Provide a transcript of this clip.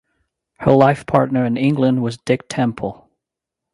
Her life partner in England was Dick Temple.